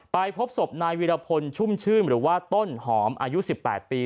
พบศพนายวิรพลชุ่มชื่นหรือว่าต้นหอมอายุ๑๘ปี